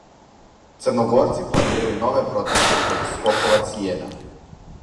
Црногорци планирају нове протесте због скокова цијена